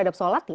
ya sudah ini